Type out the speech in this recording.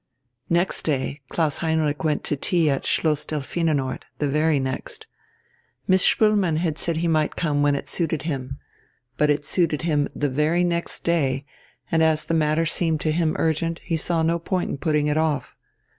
Next day Klaus Heinrich went to tea at Schloss Delphinenort, the very next. Miss Spoelmann had said he might come when it suited him. But it suited him the very next day, and as the matter seemed to him urgent, he saw no point in putting it off.